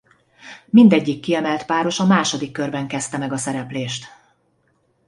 Mindegyik kiemelt páros a második körben kezdte meg a szereplést.